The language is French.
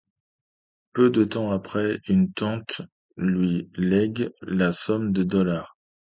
Peu de temps après, une tante lui lègue la somme de dollars.